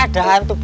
ada apaan sih